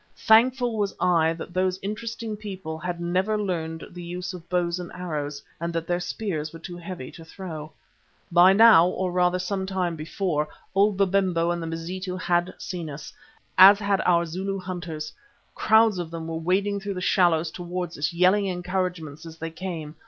Thankful was I that those interesting people had never learned the use of bows and arrows, and that their spears were too heavy to throw. By now, or rather some time before, old Babemba and the Mazitu had seen us, as had our Zulu hunters. Crowds of them were wading through the shallows towards us, yelling encouragements as they came.